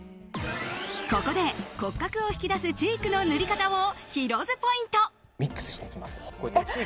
ここで骨格を引き出すチークの塗り方をヒロ’ｓポイント。